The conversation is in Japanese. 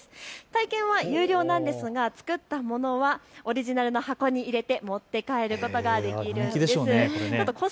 体験は有料なんですが作ったものはオリジナルの箱に入れて持って帰ることができるできるんです。